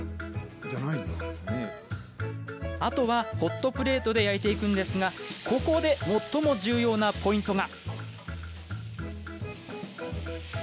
あとはホットプレートで焼いていくんですがここで最も重要なポイントが。